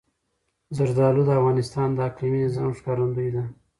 زردالو د افغانستان د اقلیمي نظام ښکارندوی ده.